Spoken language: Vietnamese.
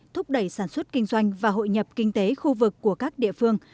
thúc đẩy sản xuất kinh doanh và hội nhập kinh tế khu vực của các địa phương